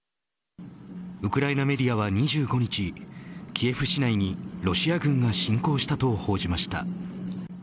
ウクライナメディアは２５日キエフ市内にロシア軍が侵攻したと報じました。